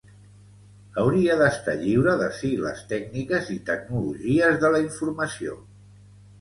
Hauria d'estar lliure de sigles tècniques i tecnologies de la informació.